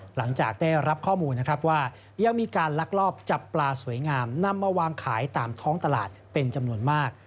หลังจากได้รับข้อมูลนะครับว่ายังมีการลักลอบจับปลาสวยงามนำมาวางขายตามท้องตลาดเป็นจำนวนมาก